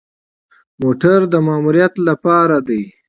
موټر د ماموریت لپاره دی